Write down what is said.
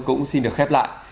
cũng xin được khép lại